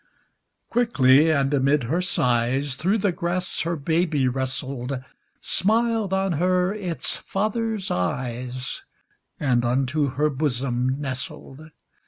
Quickly, and amid her sighs, Through the grass her baby wrestled, Smiled on her its father's eyes, And unto her bosom nestled.